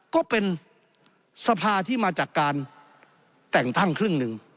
ก็เป็นสภาที่มาจากการแต่งตั้งครึ่งหนึ่ง